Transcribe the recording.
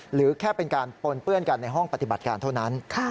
หรือแค่เป็นการปนเปื้อนกันในห้องปฏิบัติการเท่านั้น